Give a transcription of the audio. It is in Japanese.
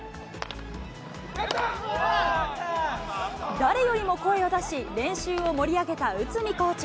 誰よりも声を出し、練習を盛り上げた内海コーチ。